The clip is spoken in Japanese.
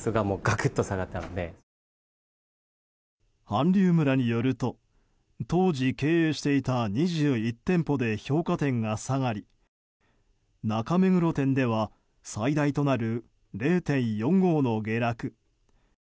韓流村によると当時、経営していた２１店舗で評価点が下がり、中目黒店では最大となる０．４５の下落。